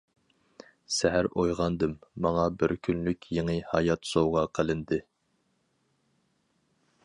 سەھەر ئويغاندىم، ماڭا بىر كۈنلۈك يېڭى ھايات سوۋغا قىلىندى.